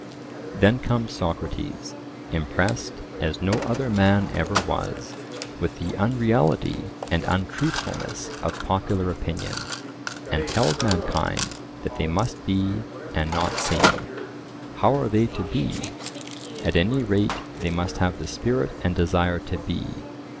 Then comes Socrates, impressed as no other man ever was, with the unreality and untruthfulness of popular opinion, and tells mankind that they must be and not seem. How are they to be? At any rate they must have the spirit and desire to be.